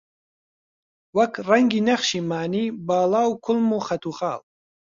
وەک ڕەنگی نەخشی مانی، باڵا و کوڵم و خەت و خاڵ